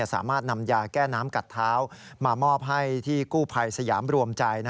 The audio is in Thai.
สามารถนำยาแก้น้ำกัดเท้ามามอบให้ที่กู้ภัยสยามรวมใจ